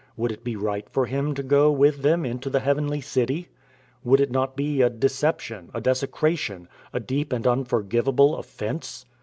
Would it be right for him to go with them into the heavenly city? Would it not be a deception, a desecration, a deep and unforgivable offense?